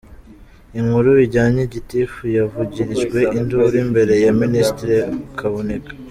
Inkuru bijyanye:Gitifu yavugirijwe induru imbere ya Minisitiri Kaboneka.